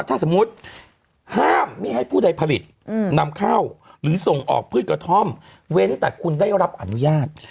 ถ้าสมมุติห้ามไม่ให้ผู้ใดผลิตนำเข้าหรือส่งออกพืชกระท่อมเว้นแต่คุณได้รับอนุญาต